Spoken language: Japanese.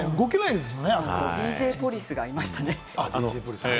ＤＪポリスがいましたね。